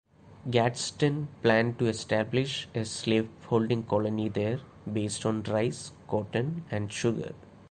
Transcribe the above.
Gadsden planned to establish a slaveholding colony there based on rice, cotton, and sugar.